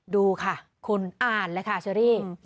ดูค่ะคุณอ่านเลยค่ะเชอรี่